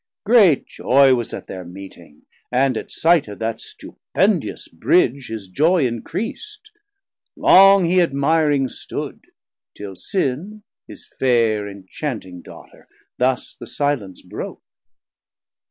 Great joy was at thir meeting, and at sight 350 Of that stupendious Bridge his joy encreas'd. Long hee admiring stood, till Sin, his faire Inchanting Daughter, thus the silence broke.